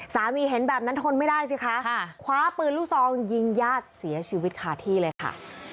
เห็นแบบนั้นทนไม่ได้สิคะคว้าปืนลูกซองยิงญาติเสียชีวิตคาที่เลยค่ะ